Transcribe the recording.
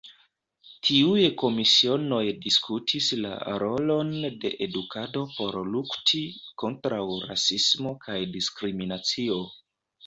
Tiuj komisionoj diskutis la rolon de edukado por lukti kontraŭ rasismo kaj diskriminacio.